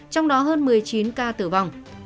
trong đó hơn một mươi chín ca tử vong